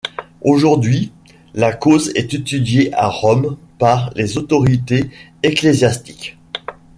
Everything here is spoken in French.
Aujourd'hui la cause est étudiée à Rome par les autorités ecclésiastiques.